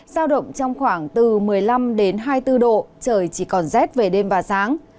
giao động trong khoảng từ một mươi năm đến hai mươi bốn độ trời chỉ còn rét về đêm và sáng